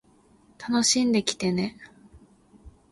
楽しんできてね